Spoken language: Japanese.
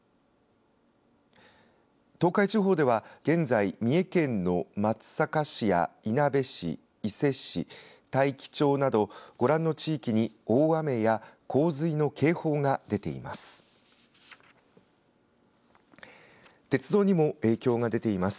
東海地方では現在三重県の松阪市やいなべ市伊勢市、大紀町などご覧の地域に大雨や洪水の警報が出ています。